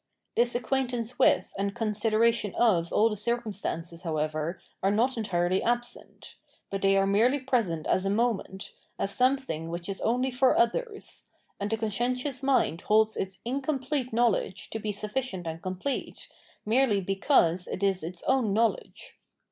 This acquaintance with and consideration of all the circumstances, however, are not entirely absent : but they are merely present as a moment, as something which is only for others : and the conscientious mind holds its incomplete know ledge to be sufficient and complete, merely because it is its own knowledge.